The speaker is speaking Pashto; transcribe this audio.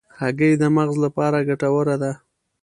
هګۍ د مغز لپاره ګټوره ده.